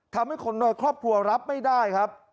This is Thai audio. ทำให้คนในครอบครัวรับไม่ได้ครับ